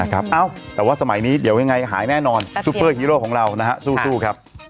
นะครับเอ้าแต่ว่าสมัยนี้เดี๋ยวยังไงหายแน่นอนซูเปอร์ฮีโร่ของเรานะฮะสู้สู้ครับ